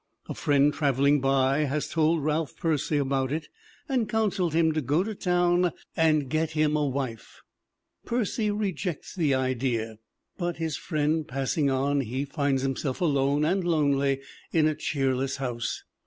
A friend traveling by has told Ralph Percy 132 MARY JOHNSTON 133 about it and counseled him to go to town and get him a wife. Percy rejects the idea, but his friend passing on he finds himself alone and lonely in a cheerless house.